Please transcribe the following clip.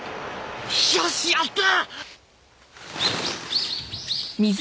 よしやった！